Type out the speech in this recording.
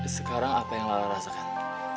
sekarang apa yang lala rasakan